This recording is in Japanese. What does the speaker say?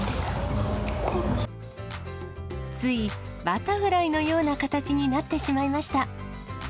ついバタフライのような形になってしまいました。